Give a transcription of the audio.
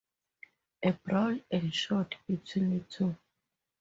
A brawl ensued between the two.